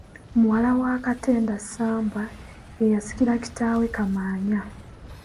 Muwala wa Katenda Ssambwa, ye yasikira kitaawe Kamaanya.